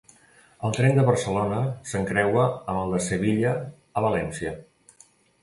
El tren de Barcelona s'encreua amb el de Sevilla a València.